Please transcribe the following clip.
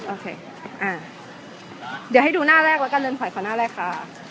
โอเคอ่าเดี๋ยวให้ดูหน้าแรกแล้วกันเรือนขวัญขอหน้าแรกค่ะ